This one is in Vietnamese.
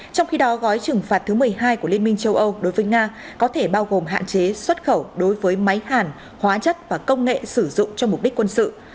trong khi đó gói trừng phạt thứ một mươi hai của liên minh châu âu đối với nga có thể bao gồm hạn chế xuất khẩu đối với máy hàn hóa chất và công nghệ sử dụng cho mục đích quân sự